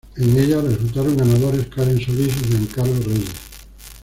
En ella resultaron ganadores Karen Solís y Giancarlo Reyes.